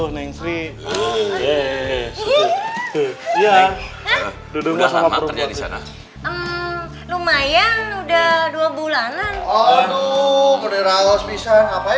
neng sri ya duduk sama perut lumayan udah dua bulanan aduh berada allah spesial ngapain di